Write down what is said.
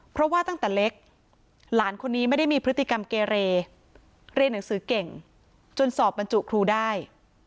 เพราะว่าตั้งแต่เล็กหลานคนนี้ไม่ได้มีพฤติกรรมเกเรเรียนหนังสือเก่งจนสอบบรรจุครูได้